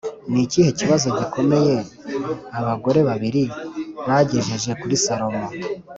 Ni ikihe kibazo gikomeye abagore babiri bagejeje kuri salomo